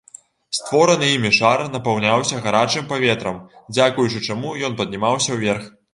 Створаны імі шар напаўняўся гарачым паветрам, дзякуючы чаму ён паднімаўся ўверх.